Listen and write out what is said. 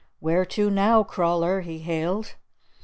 "Where to now, Crawler?" he hailed.